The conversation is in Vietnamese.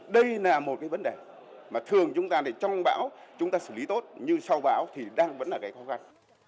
đây là một vấn đề mà thường chúng ta trong bão chúng ta xử lý tốt nhưng sau bão thì đang vẫn là cái khó khăn